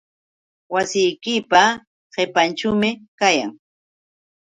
Wasiykipa qipanćhuumi kayan.